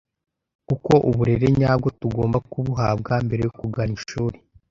kuko uburere nyabwo tugomba kubuhabwa mbere yo kugana ishuri